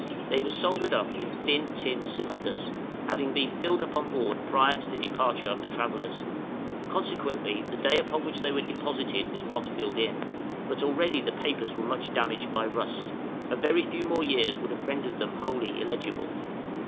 They were soldered up in thin tin cylinders, having been filled up on board prior to the departure of the travellers; consequently the day upon which they were deposited was not filled in; but already the papers were much damaged by rust, a very few more years would have rendered them wholly illegible.